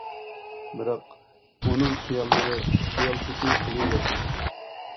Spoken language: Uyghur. بىراق ئۇنىڭ خىياللىرى خىيال پېتى قېلىۋەردى.